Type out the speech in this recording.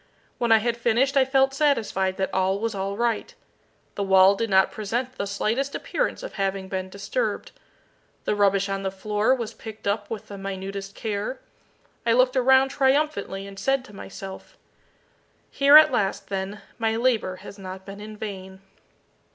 When I had finished I felt satisfied that all was all right. The wall did not present the slightest appearance of having been disturbed. The rubbish on the floor was picked up with the minutest care. I looked around triumphantly, and said to myself "Here at last, then, my labour has not been in vain."